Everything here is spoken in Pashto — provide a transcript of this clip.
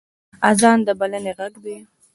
اذان د بلنې غږ دی